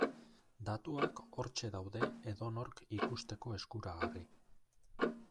Datuak hortxe daude edonork ikusteko eskuragarri.